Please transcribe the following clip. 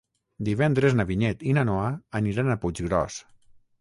Divendres na Vinyet i na Noa aniran a Puiggròs.